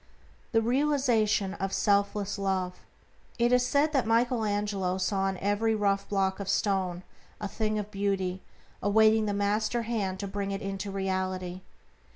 THE REALIZATION OF SELFLESS LOVE It is said that Michael Angelo saw in every rough block of stone a thing of beauty awaiting the master hand to bring it into reality.